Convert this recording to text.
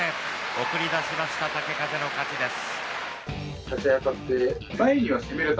送り出しました、豪風の勝ちです。